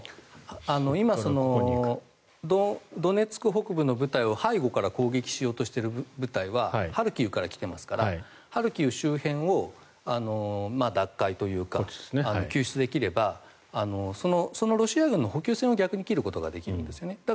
今、ドネツク北部の部隊を背後から攻撃しようとしている部隊はハルキウから来ていますからハルキウ周辺を奪回というか救出できればそのロシア軍の補給線を逆に切ることができるんですね。